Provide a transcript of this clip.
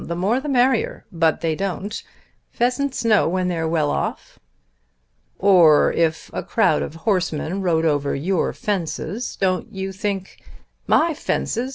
The more the merrier. But they don't. Pheasants know when they're well off." "Or if a crowd of horsemen rode over your fences, don't you think " "My fences!